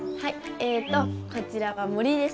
えっとこちらは森です。